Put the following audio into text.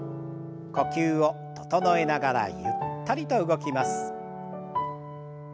呼吸を整えながらゆったりと動きます。